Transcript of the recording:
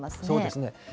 そうですね。